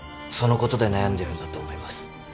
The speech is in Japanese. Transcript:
そのことで悩んでるんだと思います。